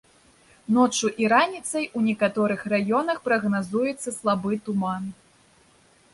Ноччу і раніцай у некаторых раёнах прагназуецца слабы туман.